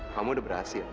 kamu udah berhasil